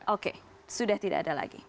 oke sudah tidak ada lagi